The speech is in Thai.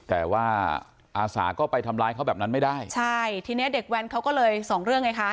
แต่ว่าอาสาก็ไปทำร้ายเขาแบบนั้นไม่ได้ใช่ทีเนี้ยเด็กแว้นเขาก็เลยสองเรื่องไงคะ